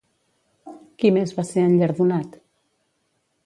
Qui més va ser enllardonat?